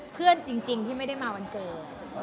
เพื่อนจริงที่ไม่ได้มาวันเกิด